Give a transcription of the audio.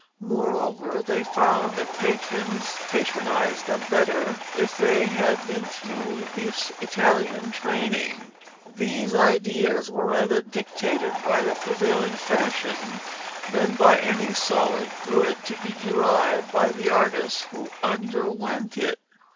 Moreover, they found that patrons patronised them better if they had been through this Italian training. These ideas were rather dictated by the prevailing fashion than by any solid good to be derived by the artist who underwent it.